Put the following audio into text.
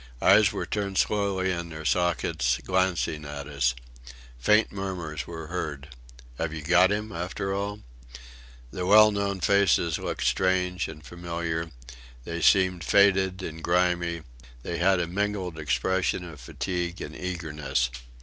Eyes were turned slowly in their sockets, glancing at us. Faint murmurs were heard, "Have you got 'im after all?" The well known faces looked strange and familiar; they seemed faded and grimy; they had a mingled expression of fatigue and eagerness.